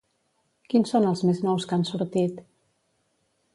Quins són els més nous que han sortit?